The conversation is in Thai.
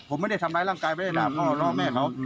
ผมไม่ได้ทำร้ายร่างกายไม่ได้ด่าพ่อล่อแม่เขา